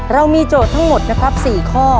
เรามีโจทย์ทั้งหมดนะครับ๔ข้อ